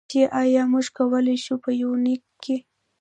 چې ایا موږ کولی شو، په یونلیک کې.